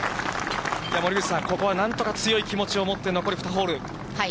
森口さん、ここはなんとか強い気持ちを持って残り２ホール。